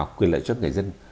hoặc quyền lợi cho người dân